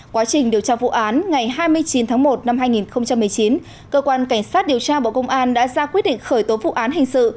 quá trình điều tra vụ án ngày hai mươi chín tháng một năm hai nghìn một mươi chín cơ quan cảnh sát điều tra bộ công an đã ra quyết định khởi tố vụ án hình sự